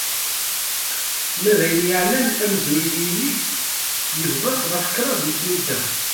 Ma d ayen yeεnan amezruy n yinig, yebḍa-t ɣef kraḍ n tnudda.